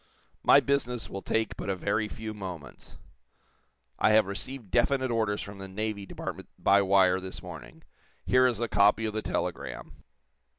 "My business will take but a very few moments. I have received definite orders from the Navy Department by wire this morning. Here is a copy of the telegram."